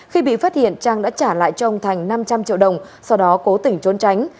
khi bị phát hiện trang đã trả lại cho ông thành năm trăm linh triệu đồng sau đó cố tỉnh trốn tránh